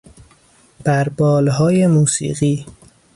بر بالهای موسیقی